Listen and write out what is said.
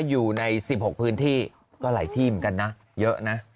อยู่ใน๑๖พื้นที่ก็หลายที่เหมือนกันนะเยอะนะ